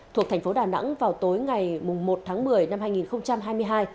thuộc thành phố đà nẵng vào tối ngày một tháng một mươi năm hai nghìn hai mươi hai